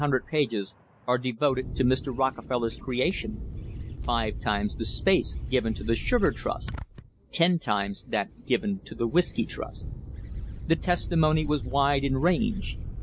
Fully 1,000 pages of a report of 1,500 pages are devoted to Mr. Rockefeller's creation five times the space given to the Sugar Trust, ten times that given to the Whiskey Trust. The testimony was wide in range.